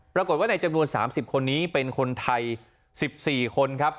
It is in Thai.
ปรากฏว่าในจำนวน๓๐คนนี้เป็นคนไทย๑๔คนครับ